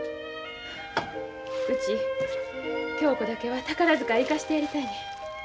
うち恭子だけは宝塚へ行かしてやりたいねん。